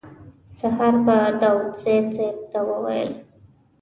سهار به داوودزي صیب ته ویل.